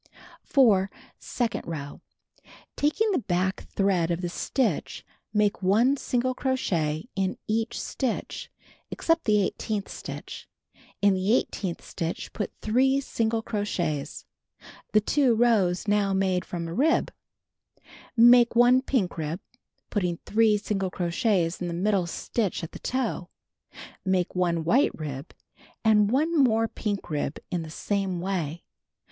4. Second row: Taking the back thread of the stitch, make 1 single crochet in each stitch, except the eighteenth stitch. In the eighteenth stitch put 3 single 250 Knitting and Crocheting Book crochets. The 2 rows now made from a rib, Make 1 pink rib, putting 3 single crochets in the middle stit ch at the toe. ]\Iake 1 white rib and 1 more pink rib in the same waj'.